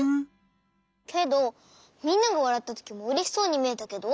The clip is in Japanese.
けどみんながわらったときもうれしそうにみえたけど？